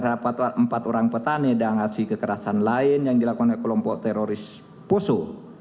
rapat empat orang petani dan aksi kekerasan lain yang dilakukan oleh kelompok teroris poso